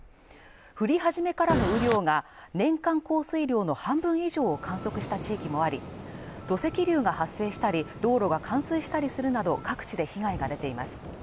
降り始めからの雨量が年間降水量の半分以上を観測した地域もあり土石流が発生したり道路が冠水したりするなど各地で被害が出ています